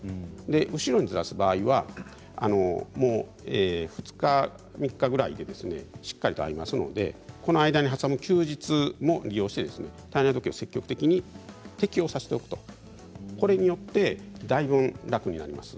後ろにずらす場合は２日３日でしっかりと合いますので間に挟む休日も利用して体内時計を積極的に適応させておくそれによってだいぶ楽になります。